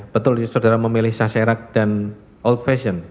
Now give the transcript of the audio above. betul saudara memilih sacherak dan old fashioned